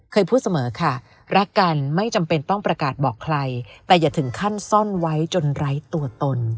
เคยพูดเสมอค่ะรักกันไม่จำเป็นต้องประกาศบอกใครแต่อย่าถึงขั้นซ่อนไว้จนไร้ตัวตน